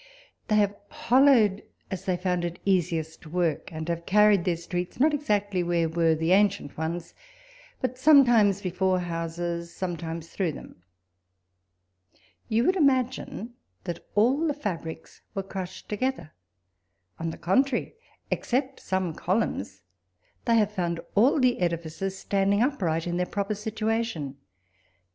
They have hollowed, as they found it easiest to work, and have carried their streets not exactly where were the ancient ones, but sometimes before houses, sometimes through them. You would imagine that all the fabrics were crushed together ; on the contrary, except some columns, they have found all the edifices standing upright in their proper s'ituation.